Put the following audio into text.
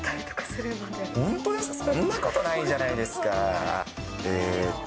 そんなことないじゃないですか。